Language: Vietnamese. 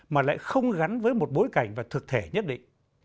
mà lại không gắn với một bối cảnh và thực thể nhất định